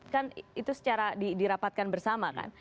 kan itu secara dirapatkan bersama kan